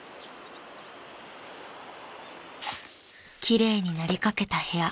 ［奇麗になりかけた部屋］